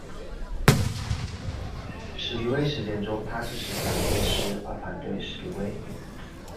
史迪威事件中他支持蒋介石而反对史迪威。